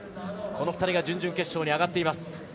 この２人が準々決勝に上がっています。